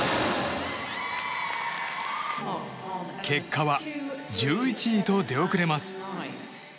結果は１１位と出遅れます。